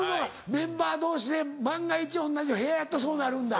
メンバー同士で万が一同じ部屋やったらそうなるんだ。